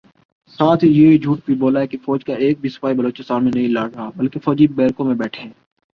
ساتھ یہ جھوٹ بھی بولا ہے کہ فوج کا ایک بھی سپاہی بلوچستان میں نہیں لڑ رہا بلکہ فوجی بیرکوں میں بیٹھے ہیں